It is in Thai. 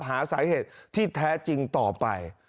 หาสาเหตุที่แท้จริงต่อไป